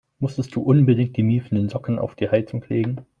Musstest du unbedingt die miefenden Socken auf die Heizung legen?